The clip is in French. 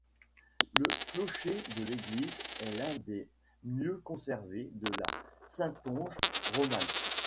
Le clocher de l'église est l'un des mieux conservés de la Saintonge romane.